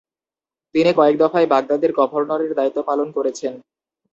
তিনি কয়েক দফায় বাগদাদের গভর্নরের দায়িত্ব পালন করেছেন।